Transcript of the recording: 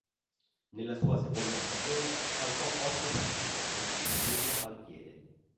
Nella sua seconda stagione saltò otto partite per infortunio al piede.